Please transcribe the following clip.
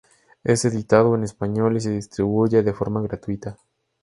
Es editado en español y se distribuye de forma gratuita.